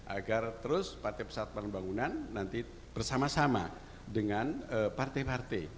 agar terus pps nanti bersama sama dengan partai partai